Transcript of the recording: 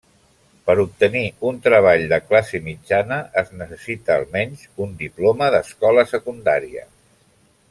Per obtenir un treball de classe mitjana es necessita almenys un diploma d'escola secundària.